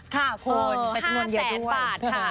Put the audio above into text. ค่ะคุณเป็นเงินเยอะด้วย๕แสนบาทค่ะ